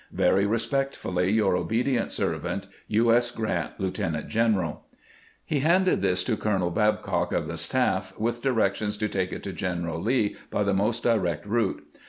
Very respectfully, your obedient servant, U. S. Grant, Lieutenant general. He handed this to Colonel Babcock of the staff, with directions to take it to G eneral Lee by the most direct route.